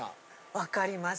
わかります